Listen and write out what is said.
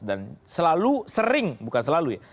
dan selalu sering bukan selalu ya